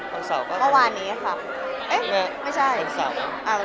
เมื่อวันนี้ครับไม่ใช่วันเสาร์